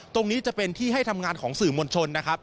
ตรงนี้จะเป็นที่ให้ทำงานของสื่อมวลชนนะครับ